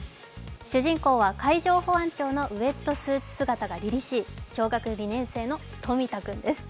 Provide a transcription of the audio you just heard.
主人公は、海上保安庁のウエットスーツ姿がりりしい、小学２年生の冨田君です。